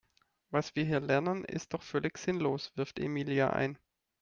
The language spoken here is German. Was wir hier lernen ist doch völlig sinnlos, wirft Emilia ein.